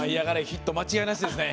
ヒット間違いなしですね。